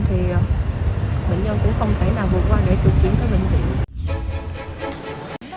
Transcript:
thì bệnh nhân cũng không thể nào vượt qua để được chuyển tới bệnh viện